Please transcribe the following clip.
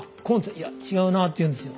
「いや違うな」って言うんですよ。